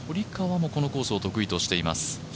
このコースを得意としています。